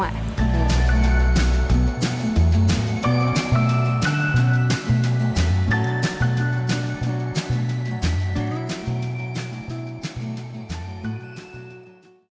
โปรดติดตามตอนต่อไป